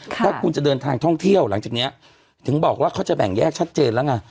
ถ้าคุณจะเดินทางท่องเที่ยวหลังจากนี้ถึงบอกว่าเขาจะแบ่งแยกชัดเจนแล้วไง